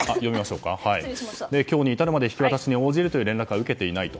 今日に至るまで引き渡しに応じる連絡は受けていないと。